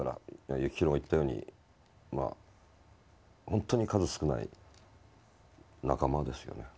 幸宏が言ったようにほんとに数少ない仲間ですよね。